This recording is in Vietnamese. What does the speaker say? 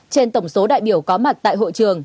trên tổng số đại biểu có mặt tại hội trường